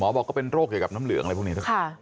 หมอบอกเขาเป็นโรคเหยื่อกับน้ำเหลืองอะไรพวกนี้